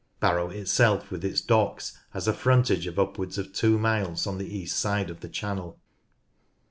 Barrow itself with its docks has a frontage of upwards of two miles on the east side of the channel.